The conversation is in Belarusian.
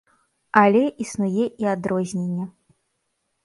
Але існуе і адрозненне.